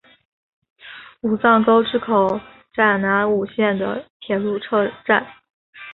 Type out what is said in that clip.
武藏沟之口站南武线的铁路车站。